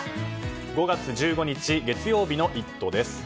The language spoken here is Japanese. ５月１５日、月曜日の「イット！」です。